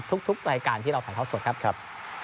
ทุกรายการที่เราถ่ายทอดสดครับ